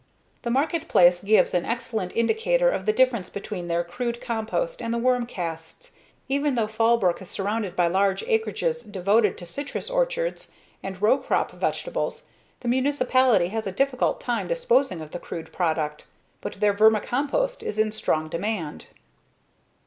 The marketplace gives an excellent indicator of the difference between their crude compost and the worm casts. Even though Fallbrook is surrounded by large acreages devoted to citrus orchards and row crop vegetables, the municipality has a difficult time disposing of the crude product. But their vermicompost is in strong demand.